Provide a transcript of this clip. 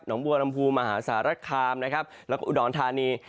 หนองบัวลำภูมธสารคามและอุดรฐานี